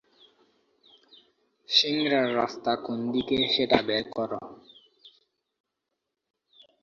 সিংড়ার রাস্তা কোন দিকে সেটা বের করো।